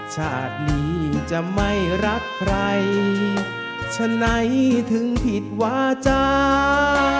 ชาตินี้จะไม่รักใครฉะไหนถึงผิดวาจา